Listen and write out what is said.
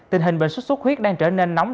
tình hình bệnh sốt sốt huyết đang trở nên nóng